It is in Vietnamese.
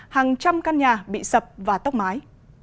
hàng trăm căn nhà bị sập và tóc mái